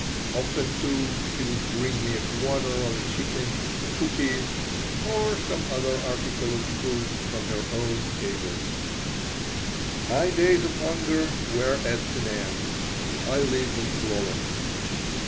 Often, too, she would bring me a quarter of a chicken, cookies, or some other article of food from her own table My days of hunger were at an end. I lived in clover.